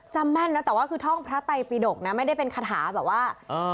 แม่นนะแต่ว่าคือท่องพระไตปิดกนะไม่ได้เป็นคาถาแบบว่าอ่า